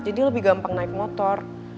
jadi lebih gampang naik motor